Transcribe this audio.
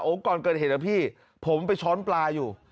โอ้ก่อนเกิดเห็นแล้วพี่ผมไปช้อนปลาอยู่